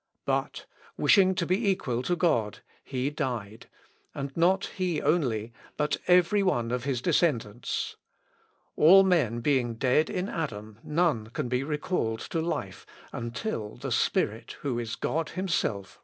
But wishing to be equal to God, he died ... and not he only, but every one of his descendants. All men being dead in Adam none can be recalled to life until the Spirit, who is God himself, raise them from death."